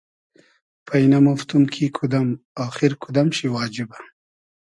پݷ نئمۉفتوم کی کودئم آخیر کودئم شی واجیبۂ